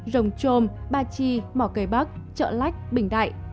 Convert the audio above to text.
rồng trôm ba chi mỏ cây bắc chợ lách bình đại